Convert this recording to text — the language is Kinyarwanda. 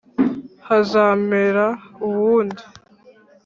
hazamera uwundi